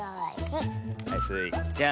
はいスイちゃん。